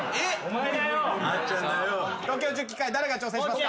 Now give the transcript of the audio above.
東京十期會誰が挑戦しますか？